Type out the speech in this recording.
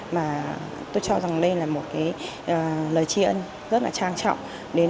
mà tôi cho rằng đây là một lời tri ân rất trang trọng đến với tất cả các tổng cộng tác viên